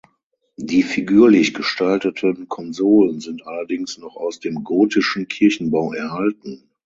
Die figürlich gestalteten Konsolen sind allerdings noch aus dem gotischen Kirchenbau erhalten.